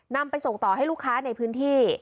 นำไปส่งต่อให้ลูกค้าในพื้นที่